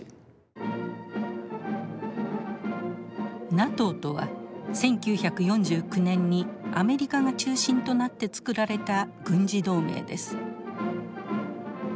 ＮＡＴＯとは１９４９年にアメリカが中心となってつくられた軍事同盟です。